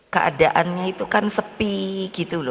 keadaannya itu kan sepi gitu loh